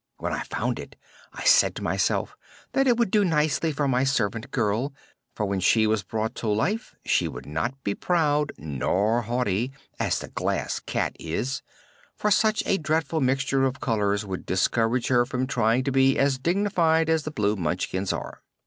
When I found it, I said to myself that it would do nicely for my servant girl, for when she was brought to life she would not be proud nor haughty, as the Glass Cat is, for such a dreadful mixture of colors would discourage her from trying to be as dignified as the blue Munchkins are."